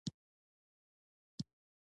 د ماشوم له لنډې مینې سره پرتله کېدلای نه شي.